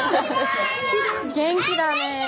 元気だねえ。